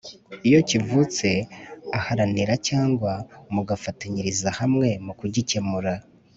iyo kivutse aharanira cyangwa mugafatanyiriza hamwe mu kugikemura.